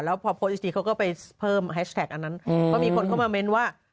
แล้วพอโพสต์อีกทีเขาก็ไปเพิ่มแฮชแท็กอันนั้นก็มีคนเข้ามาเม้นว่า